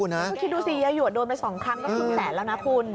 คิดดูสิยายหยวดโดนไป๒ครั้งก็คือ๑๐๐๐๐๐บาทแล้วนะคุณ